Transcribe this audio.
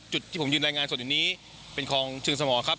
จุดที่ผมยืนรายงานสดอยู่นี้เป็นคลองเชิงสมครับ